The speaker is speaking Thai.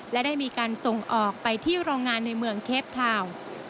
และได้มีการส่งออกไปที่โรงงานในเมืองเคฟทาวน์